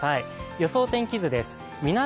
予想天気図です